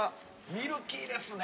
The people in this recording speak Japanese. ミルキーですね・